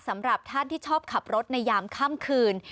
สำหรับท่านที่ชอบขับรถในยามค่ำคืน